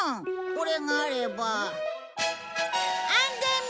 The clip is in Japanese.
これがあれば。